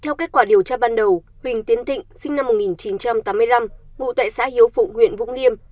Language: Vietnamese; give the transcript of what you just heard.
theo kết quả điều tra ban đầu huỳnh tiến tịnh sinh năm một nghìn chín trăm tám mươi năm vụ tại xã hiếu phụ huyện vũng liêm